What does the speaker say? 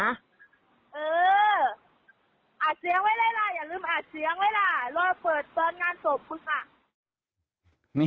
เอออัดเสียงไว้เลยล่ะอย่าลืมอ่านเสียงไว้ล่ะรอเปิดตอนงานศพคุณค่ะ